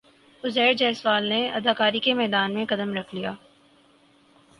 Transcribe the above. عزیر جسوال نے اداکاری کے میدان میں قدم رکھ لیا